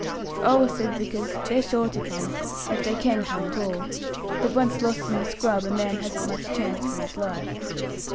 "Oh," said Vickers, "they're sure to come if they can come at all; but once lost in the scrub, a man hasn't much chance for his life."